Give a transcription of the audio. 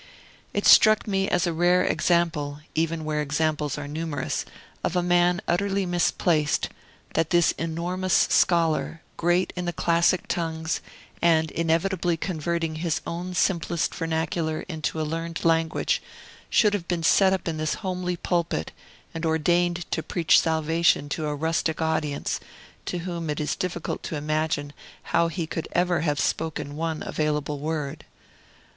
It struck me as a rare example (even where examples are numerous) of a man utterly misplaced, that this enormous scholar, great in the classic tongues, and inevitably converting his own simplest vernacular into a learned language, should have been set up in this homely pulpit, and ordained to preach salvation to a rustic audience, to whom it is difficult to imagine how he could ever have spoken one available word.